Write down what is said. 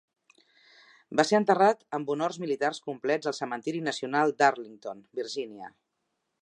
Va ser enterrat amb honors militars complets al cementiri nacional d'Arlington, Virgínia.